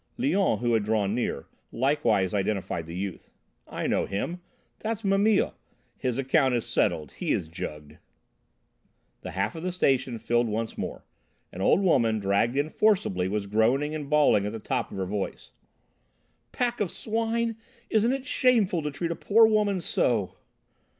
Léon, who had drawn near, likewise identified the youth. "I know him, that's Mimile. His account is settled, he is jugged!" The hall of the station filled once more: an old woman, dragged in forcibly, was groaning and bawling at the top of her voice: "Pack of swine! Isn't it shameful to treat a poor woman so!"